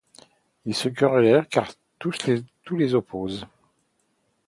Ils se querellent car tout les oppose.